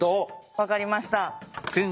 分かりました。